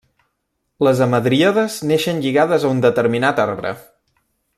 Les hamadríades neixen lligades a un determinat arbre.